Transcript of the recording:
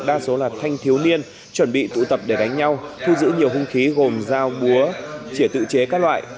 đa số là thanh thiếu niên chuẩn bị tụ tập để đánh nhau thu giữ nhiều hung khí gồm dao búa chỉa tự chế các loại